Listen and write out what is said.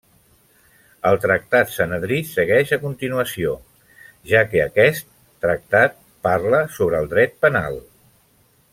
El tractat Sanedrí segueix a continuació, ja que aquest tractat parla sobre el dret penal.